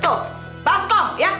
tuh baskom ya